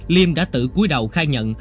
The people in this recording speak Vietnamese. liêm đã tự cuối đầu khai nhận